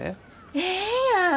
ええやん！